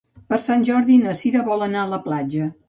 Per Sant Jordi na Sira vol anar a la platja.